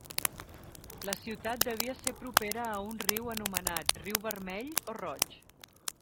La ciutat devia ser propera a un riu anomenat riu Vermell o Roig.